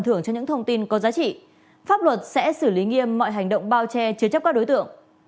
thưởng cho những thông tin có giá trị pháp luật sẽ xử lý nghiêm mọi hành động bao che chứa chấp các đối tượng